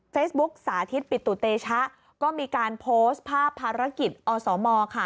สาธิตปิตุเตชะก็มีการโพสต์ภาพภารกิจอสมค่ะ